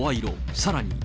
さらに。